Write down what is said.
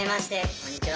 こんにちは。